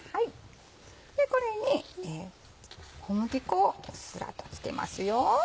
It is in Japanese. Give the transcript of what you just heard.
これに小麦粉をうっすらと付けます。